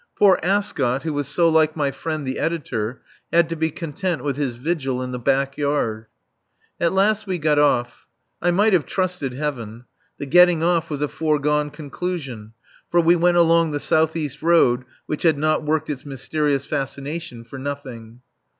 Poor Ascot, who was so like my friend the editor, had to be content with his vigil in the back yard. At last we got off. I might have trusted Heaven. The getting off was a foregone conclusion, for we went along the south east road, which had not worked its mysterious fascination for nothing.